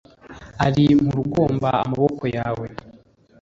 ari mu rugomba amaboko yawe!